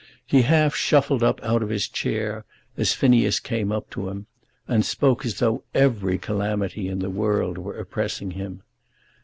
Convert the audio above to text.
He half shuffled up out of his chair as Phineas came up to him, and spoke as though every calamity in the world were oppressing him.